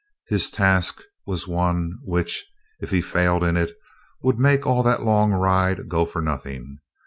His task was one which, if he failed in it, would make all that long ride go for nothing.